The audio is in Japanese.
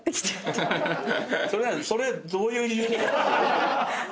それどういう理由。